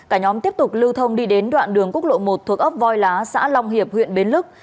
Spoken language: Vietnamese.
cả nhóm tiếp tục lưu thông đi đến đoạn đường quốc lộ một thuộc ấp voi lá xã long hiệp huyện bến lức